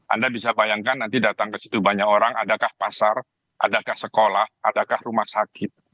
anda bisa bayangkan nanti datang ke situ banyak orang adakah pasar adakah sekolah adakah rumah sakit